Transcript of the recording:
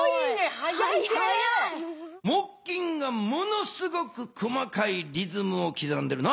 木琴がものすごく細かいリズムをきざんでるな。